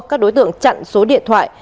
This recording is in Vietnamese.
các đối tượng chặn số điện thoại